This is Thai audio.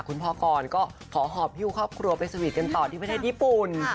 คุณพ่อกรก็ขอหอบฮิ้วครอบครัวไปสวีทกันต่อที่ประเทศญี่ปุ่น